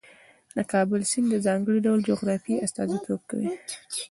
د کابل سیند د ځانګړي ډول جغرافیې استازیتوب کوي.